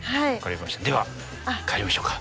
では帰りましょうか。